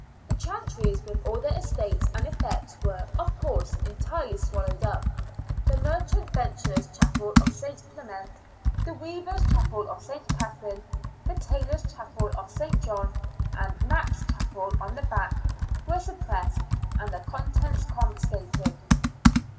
The chantries with all their estates and effects were, of course, entirely swallowed up. The Merchant Venturers' Chapel of St. Clement, the Weavers' Chapel of St. Catherine, the Tailors' Chapel of St. John, and Knapp's Chapel on the Back were suppressed, and their contents confiscated.